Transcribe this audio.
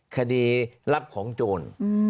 คดีรับของโจร